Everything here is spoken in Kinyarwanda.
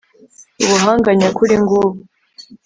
Ubuhanga nyakuri ngubu